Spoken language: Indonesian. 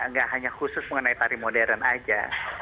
nggak hanya khusus mengenai tari modern aja